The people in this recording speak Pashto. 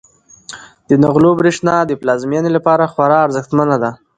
د نغلو برښنا د پلازمینې لپاره خورا ارزښتمنه ده.